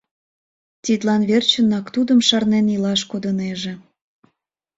Тидлан верчынак тудым шарнен илаш кодынеже.